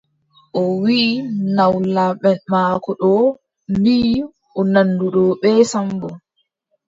O wiʼi nawlamʼen maako ɗon mbiʼi o nanduɗo bee Sammbo.